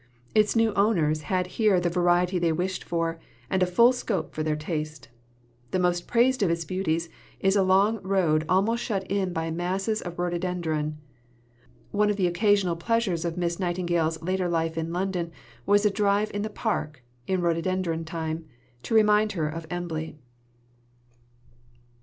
Its new owners had here the variety they wished for, and a full scope for their taste. The most praised of its beauties is a long road almost shut in by masses of rhododendron. One of the occasional pleasures of Miss Nightingale's later life in London was a drive in the Park, in rhododendron time, "to remind her of Embley."